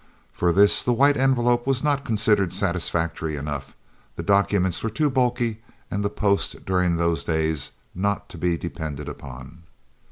For this the White Envelope was not considered satisfactory enough the documents were too bulky and the post during those days not to be depended upon.